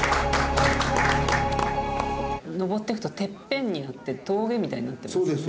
上っていくとてっぺんになって峠みたいになってますよね。